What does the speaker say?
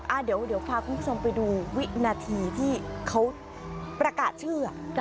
อ่ะเดี๋ยวพาคุณผู้ชมไปดูวินาทีที่เขาประกาศชื่อ